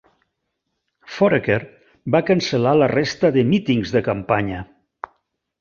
Foraker va cancel·lar la resta de mítings de campanya.